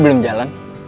apa yang jalan